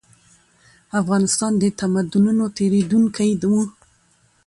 افغانستان د تمدنونو تېرېدونکی و.